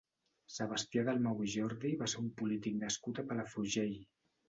Sebastià Dalmau i Jordi va ser un polític nascut a Palafrugell.